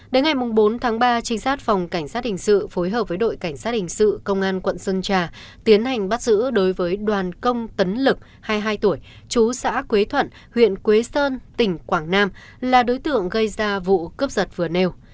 đến ngày bốn tháng ba trinh sát phòng cảnh sát hình sự phối hợp với đội cảnh sát hình sự công an quận sơn trà tiến hành bắt giữ đối với đoàn công tấn lực hai mươi hai tuổi chú xã quế thuận huyện quế sơn tỉnh quảng nam là đối tượng gây ra vụ cướp giật vừa nêu